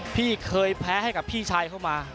พี่เคยแพ้ให้กับพี่ชายเข้ามา